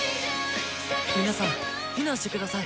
皆さん避難してください。